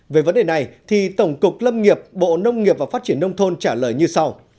về vấn đề này thì tổng cục lâm nghiệp bộ nông nghiệp và phát triển nông thôn trả lời như sau